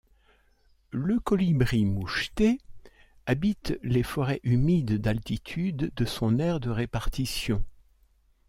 Le colibri moucheté habite les forêts humide d'altitude de son aire de répartition.